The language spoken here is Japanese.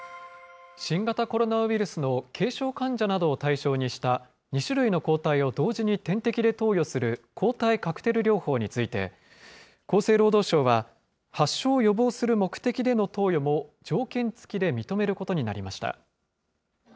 新型コロナウイルスの軽症患者などを対象にした、２種類の抗体を同時に点滴で投与する抗体カクテル療法について、厚生労働省は、発症を予防する目的での投与も条件付きで認めることになりました。